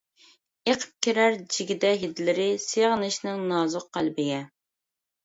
ئېقىپ كىرەر جىگدە ھىدلىرى، سېغىنىشنىڭ نازۇك قەلبىگە.